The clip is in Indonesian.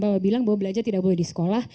bapak bilang bahwa belajar tidak boleh di sekolah